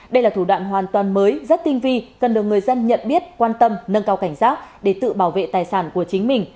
đây là thủ đoạn hoàn toàn mới rất tinh vi cần được người dân nhận biết quan tâm nâng cao cảnh giác để tự bảo vệ tài sản của chính mình